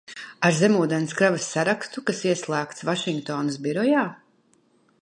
Ar zemūdenes kravas sarakstu, kas ieslēgts Vašingtonas birojā?